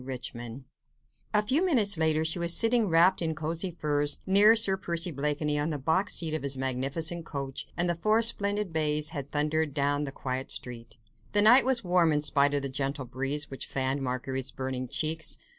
RICHMOND A few minutes later she was sitting, wrapped in costly furs, near Sir Percy Blakeney on the box seat of his magnificent coach, and the four splendid bays had thundered down the quiet street. The night was warm in spite of the gentle breeze which fanned Marguerite's burning cheeks.